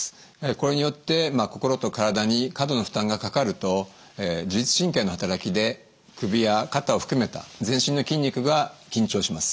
これによって心と体に過度の負担がかかると自律神経の働きで首や肩を含めた全身の筋肉が緊張します。